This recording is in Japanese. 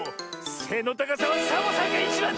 せのたかさはサボさんがいちばんだ！